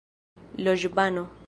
loĵbano